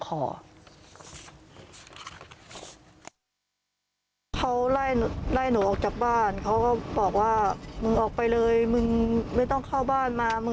เขาไล่หนูออกจากบ้านเขาก็บอกว่ามึงออกไปเลยมึงไม่ต้องเข้าบ้านมามึง